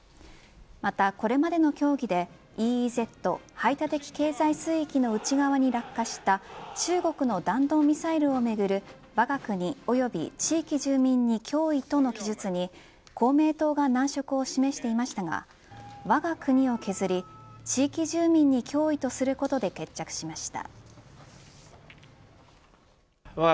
またこれまでの協議でＥＥＺ排他的経済水域の内側に落下した中国の弾道ミサイルをめぐるわが国および地域住民に脅威との記述に公明党が難色を示していましたがわが国を削り地域住民に脅威とすることで決着しました。